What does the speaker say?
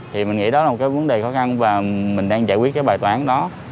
thì mình nghĩ đó là một cái vấn đề khó khăn và mình đang giải quyết cái bài toán đó